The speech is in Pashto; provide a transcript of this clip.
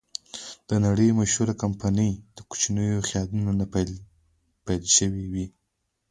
د نړۍ مشهوره کمپنۍ د کوچنیو خیالونو نه پیل شوې وې.